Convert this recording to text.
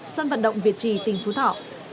sân vận động việt trì tỉnh phú thọ